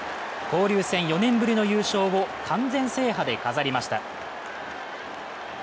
交流戦４年ぶりの優勝を完全制覇で飾りました。